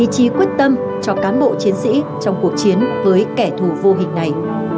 chí quyết tâm cho cán bộ chiến sĩ trong cuộc chiến với kẻ thù vô hình này